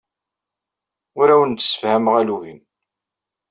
Ur awen-d-ssefhameɣ alugen.